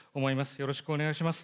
よろしくお願いします。